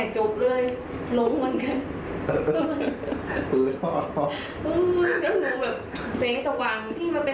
มันจะมีสะพานสูงกำลังคลูดไปคลูดมา